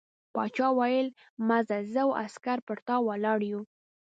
باچا وویل مه ځه زه او عسکر پر تا ولاړ یو.